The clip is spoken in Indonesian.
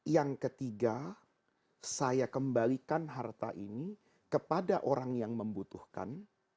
yang ketiga saya kembalikan harta ini kepada orang yang membutuhkan